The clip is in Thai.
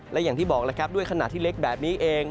และอย่างที่บอกด้วยขนาดที่เล็กแบบนี้เอง